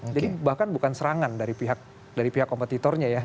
jadi bahkan bukan serangan dari pihak kompetitornya